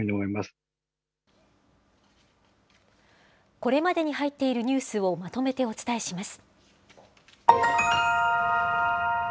これまでに入っているニュースをまとめてお伝えします。